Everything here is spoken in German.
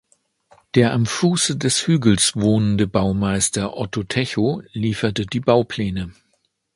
Der am Fuße des Hügels wohnende Baumeister Otto Techow lieferte die Baupläne.